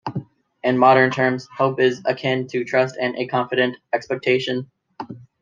In modern terms, hope is akin to trust and a confident expectation.